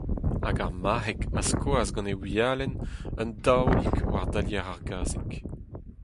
Hag ar marc’heg a skoas gant e wialenn un taolig war dalier ar gazeg.